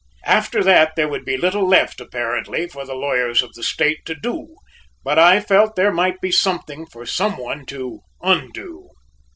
After that there would be little left apparently for the lawyers of the State to do; but I felt there might be something for some one to undo.